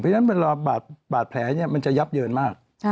เพราะฉะนั้นเวลาบาดแผลมันจะยับเยินมาก